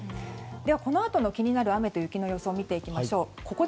このあとの気になる雨と雪の予想を見ていきましょう。